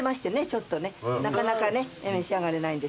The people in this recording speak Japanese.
ちょっとねなかなか召し上がれないんですけど。